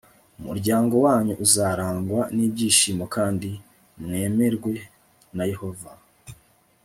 umuryango wanyu uzarangwa n ibyishimo kandi mwemerwe na yehova